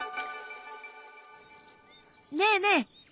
ねえねえ！